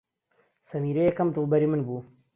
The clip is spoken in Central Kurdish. سەمیرە یەکەم دڵبەری من بوو.